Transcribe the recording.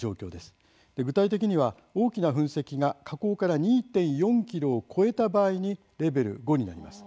具体的には、大きな噴石が火口から２．４ｋｍを超えた場合にレベル５になります。